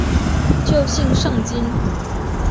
旧姓胜津。